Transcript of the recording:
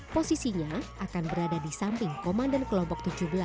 posisinya akan berada di samping komandan kelompok tujuh belas